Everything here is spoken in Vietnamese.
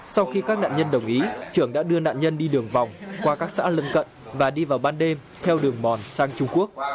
sau khi các nạn nhân đồng ý trưởng đã đưa nạn nhân đi đường vòng qua các xã lân cận và đi vào ban đêm theo đường mòn sang trung quốc